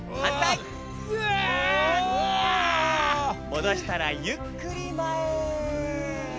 もどしたらゆっくりまえへ。